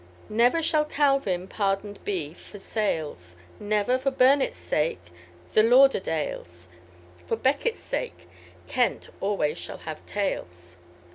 _ Never shall Calvin pardoned be for sales, Never, for Burnet's sake, the Lauderdales; For Becket's sake, Kent always shall have tails."